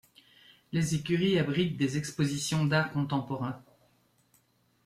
Les écuries abritent des expositions d'art contemporain.